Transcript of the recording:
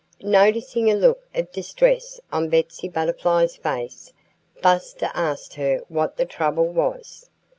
Noticing a look of distress on Betsy Butterfly's face, Buster asked her what the trouble was.